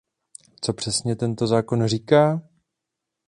Co přesně tento zákon říká?